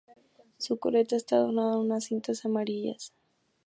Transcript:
Su coleta está adornada con unas cintas amarillas.